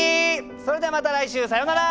それではまた来週さようなら！